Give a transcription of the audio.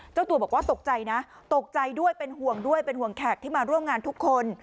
เจ้าตัวบอกว่าตกใจนะตกใจด้วยเป็นห่วงด้วยเป็นห่วงแขกที่มาร่วมงานทุกคน